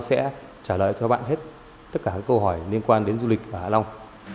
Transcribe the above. sẽ trả lời cho bạn hết tất cả các câu hỏi liên quan đến du lịch ở hạ long